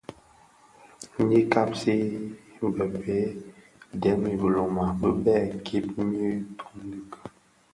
Ňyi kabsi bë bëë dèm bilona bibèè gib nyi tum dhiki.